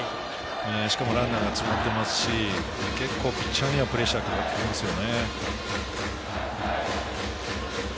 しかもランナーが詰まってますし、ピッチャーにはプレッシャーがかかってきますよね。